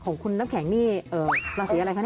ของคุณน้ำแข็งนี่ราศีอะไรคะเนี่ย